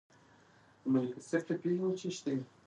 تعلیم نجونو ته د استراحت اهمیت ور زده کوي.